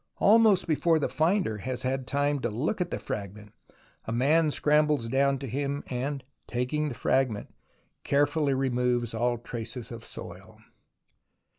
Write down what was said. Almost before the finder has had time to look at the fragment, a man scrambles down to him and, taking the fragment, carefully removes all traces of soil.